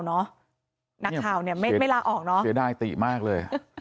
นักข่าวเนี่ยไม่ลาออกเนอะเสียดายติมากเลย